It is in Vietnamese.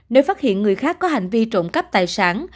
nếu phát hiện người khác có hành vi trộm cắp tài sản